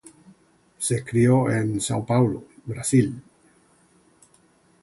Se crió en São Paulo, Brasil.